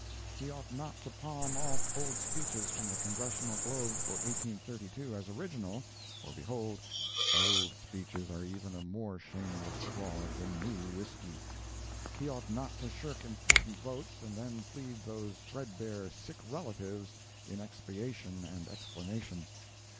He ought not to palm off old speeches from the Congressional Globe for 1832 as original, for behold, old speeches are even a more shameless fraud than new whiskey. He ought not to shirk important votes and then plead those threadbare "sick relatives" in expiation and explanation.